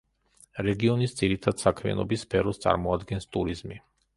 რეგიონის ძირითად საქმიანობის სფეროს წარმოადგენს ტურიზმი.